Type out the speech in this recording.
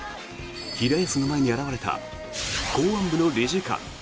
平安の前に現れた公安部の理事官。